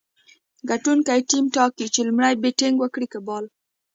ګټونکی ټیم ټاکي، چي لومړی بېټينګ وکي که بال.